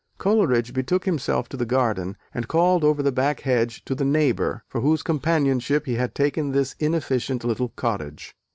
Coleridge betook himself to the garden and called over the back hedge to the neighbour for whose companionship he had taken this inefficient little cottage.